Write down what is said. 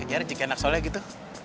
iya rezeki anak soleh gitu